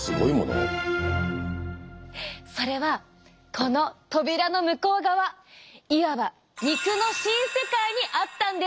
それはこの扉の向こう側いわば肉の新世界にあったんです。